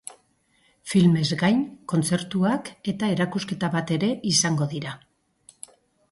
Filmez gain, kontzertuak eta erakusketa bat ere izango dira.